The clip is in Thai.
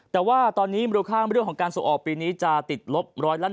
แต่ว่าตอนนี้มรูข้างบริเวณของการส่งออกปีนี้จะติดลบ๑๐๑๗